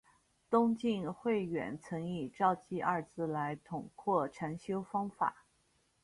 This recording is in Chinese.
东晋慧远曾以照寂二字来统括禅修方法。